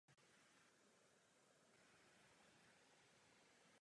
Je to země, kde muži nejsou naučeni pracovat.